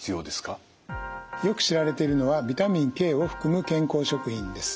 よく知られているのはビタミンＫを含む健康食品です。